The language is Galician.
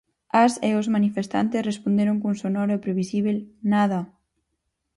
As e os manifestantes responderon cun sonoro e previsíbel "nada!".